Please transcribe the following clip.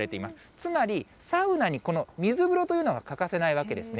つまりサウナにこの水風呂というのは欠かせないわけですね。